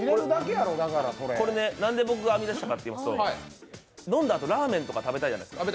これ、なんで僕が編み出したかというと、飲んだ後ラーメンとか食べたいじゃないですか。